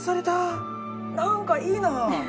なんかいいな。